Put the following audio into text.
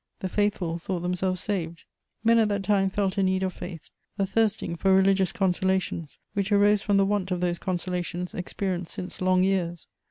_ The faithful thought themselves saved: men at that time felt a need of faith, a thirsting for religious consolations, which arose from the want of those consolations experienced since long years.